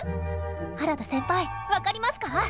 原田先輩分かりますか？